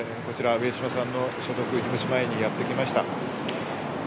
上島さんの所属事務所前にやってきました。